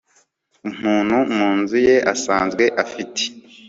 umuntu mu nzu ye asanzwe afite